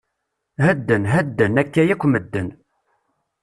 Hedden, hedden, akka yakk medden!